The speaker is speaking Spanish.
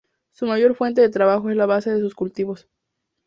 Su mayor fuente de trabajo es la base de sus cultivos.